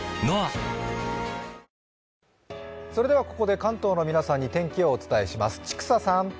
ここで関東の皆さんに天気をお伝えします。